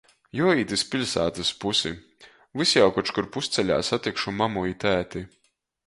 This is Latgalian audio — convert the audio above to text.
Juoīt iz piļsātys pusi! Vys jau koč kur pusceļā satikšu mamu i tēti.